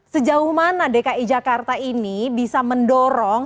sejauh mana dki jakarta ini bisa mendorong